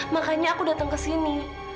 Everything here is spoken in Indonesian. makanya aku datang kesini